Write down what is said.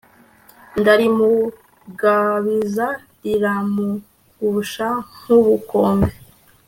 ndarimugabiza riramugusha nkubukombe